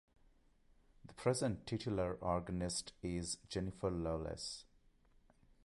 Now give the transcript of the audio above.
The present titular organist is Jennifer Loveless.